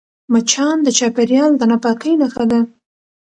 مچان د چاپېریال د ناپاکۍ نښه ده